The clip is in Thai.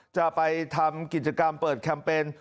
จะไปทำกิจกรรมเปิดแคมเปญ